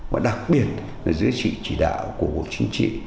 và đặc biệt là giới trị chỉ đạo của một chính trị